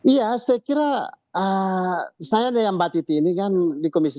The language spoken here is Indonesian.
iya saya kira saya dengan mbak titi ini kan di komisi dua